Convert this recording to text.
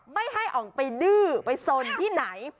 ไม่ให้ออกไปดื้อไปสนที่ไหน